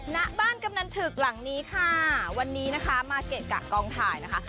ณบ้านกำนันถึกหลังนี้ค่ะวันนี้นะคะมาเกะกะกองถ่ายนะคะ